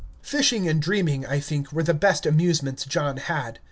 Fishing and dreaming, I think, were the best amusements John had.